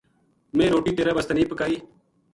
میں روٹی تیرے بسطے نیہہ پکائی ‘‘